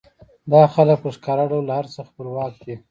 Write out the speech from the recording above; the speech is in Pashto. دا خلک په ښکاره ډول له هر څه خپلواک دي